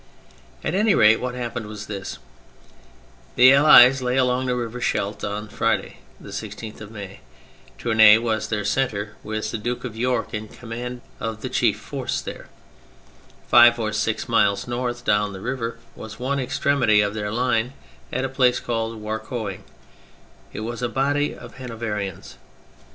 At any rate, what happened was this :— The Allies lay along the river Scheldt on Friday, the 16th of May: Tournay was their centre, with the Duke of York in command of the chief force there; five or six miles north, down the river, was one extremity of their line at a place called Warcoing: it was a body of Hanoverians.